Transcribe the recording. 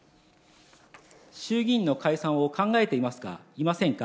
衆議院の解散を考えていますか、いませんか。